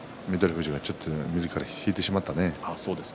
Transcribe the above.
富士がちょっとみずから引いてしまったね。